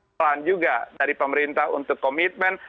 pelan juga dari pemerintah untuk komitmen